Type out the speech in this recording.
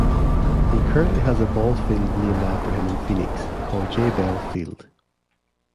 He currently has a ballfield named after him in Phoenix, called Jay Bell Field.